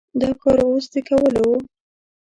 دا کار اوس د کولو و؟